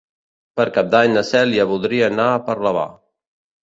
Per Cap d'Any na Cèlia voldria anar a Parlavà.